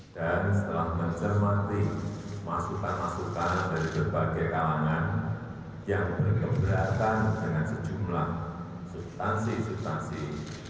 dan setelah mencermati masukan masukan dari berbagai kalangan yang berkembang dengan sejumlah subtansi subtansi ru kaukabik